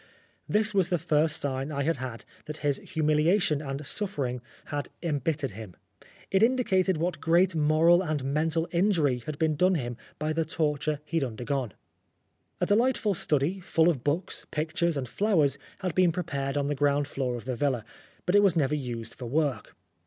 This was the first sign I had had that his humiliation and suffering had embittered him. It indicated what great moral and mental injury had been done him by the torture he had undergone. A delightful study, full of books, pictures, and flowers, had been prepared on the ground floor of the villa, but it was never used for work.